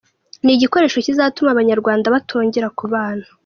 Ni igikoresho kizatuma abanyarwanda batongera kubana.